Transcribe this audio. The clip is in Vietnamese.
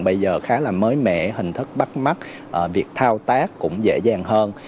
bây giờ khá là mới mẻ hình thức bắt mắt việc thao tác cũng dễ dàng hơn